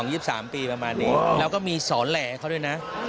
๒๒ปีครับ๒๒๒๓ปีประมาณนี้แล้วก็มีสอนแหลกเข้าด้วยนะ